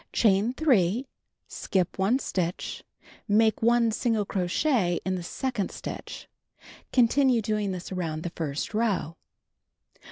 Chain 3, skip 1 stitch, make 1 single crochet in the second stitch. Continue doing this around the first row.